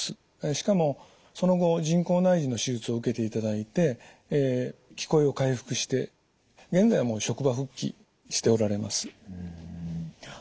しかもその後人工内耳の手術を受けていただいて聞こえを回復して現在はもう職場復帰しておられます。